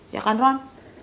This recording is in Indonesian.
ya kan ron